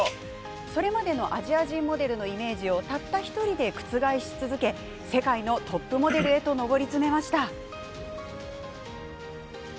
それまでのアジア人モデルのイメージをたった１人で覆し続け世界のトップモデルへと上り詰めました。